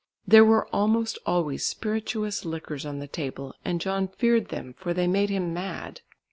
There were almost always spirituous liquors on the table, and John feared them, for they made him mad.